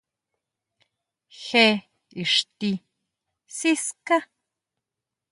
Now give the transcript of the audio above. ¿ Jé íxti siská?